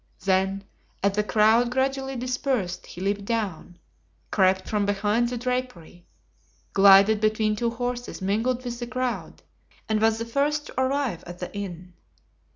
Then as the crowd gradually dispersed he leaped down, crept from behind the drapery, glided between two horses, mingled with the crowd and was the first to arrive at the inn.